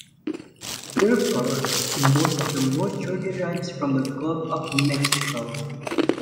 Therefore, most of the moisture derives from the Gulf of Mexico.